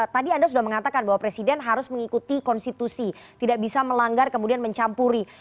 tadi anda sudah mengatakan bahwa presiden harus mengikuti konstitusi tidak bisa melanggar kemudian mencampuri